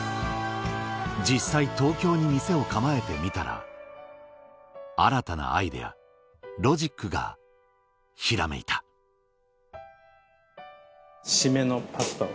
実際東京に店を構えてみたら新たなアイデアロジックがひらめいたシメのパスタを。